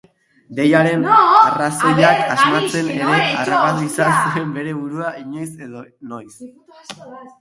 Deiaren arrazoiak asmatzen ere harrapatu izan zuen bere burua noiz edo noiz.